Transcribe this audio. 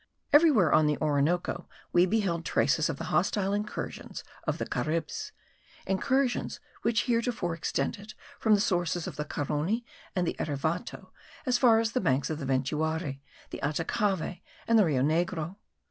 Everywhere on the Orinoco we beheld traces of the hostile incursions of the Caribs: incursions which heretofore extended from the sources of the Carony and the Erevato as far as the banks of the Ventuari, the Atacavi, and the Rio Negro.